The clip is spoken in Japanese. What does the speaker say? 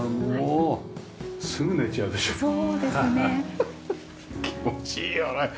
フフッ気持ちいいよね。